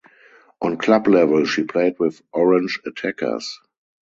On club level she played with Orange Attackers.